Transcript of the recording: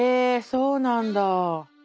そうなんだ。